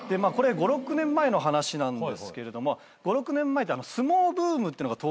５６年前の話なんですけれども５６年前って相撲ブームってのが到来しまして。